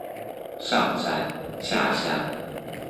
上山下鄉